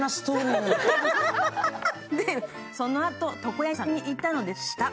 そのあと、床屋さんに行ったのでした。